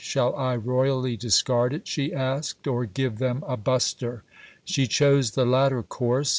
"Shall I royally discard it," she asked, "or give them a buster?" She chose the latter course.